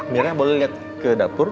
mira boleh lihat ke dapur